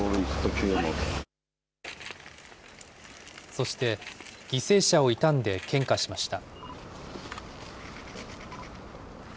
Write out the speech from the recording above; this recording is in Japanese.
そして、犠牲者を悼んで献花しました。